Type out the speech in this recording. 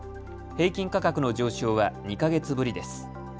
平均価格の上昇は２か月ぶりです。